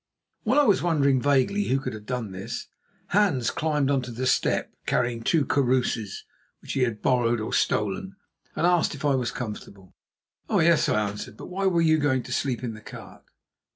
While I was wondering vaguely who could have done this, Hans climbed on to the step, carrying two karosses which he had borrowed or stolen, and asked if I was comfortable. "Oh, yes!" I answered; "but why were you going to sleep in the cart?"